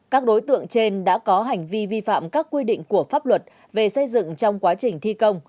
các đối tượng trên đã có hành vi vi phạm các quy định của pháp luật về xây dựng trong quá trình thi công